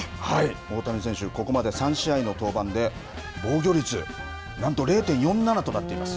大谷選手、ここまで３試合の登板で、防御率なんと０．４７となっています。